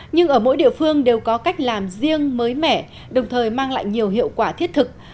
nhưng ở mỗi địa phương đều có cách làm riêng mới mẻ đồng thời mang lại nhiều hiệu quả thiết thực